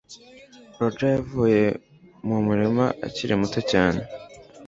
Roger yavuye mu murima akiri muto cyane